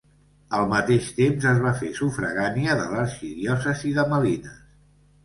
Al mateix temps, es va fer sufragània de l'arxidiòcesi de Malines.